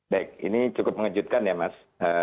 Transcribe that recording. baik ini cukup mengejutkan ya mas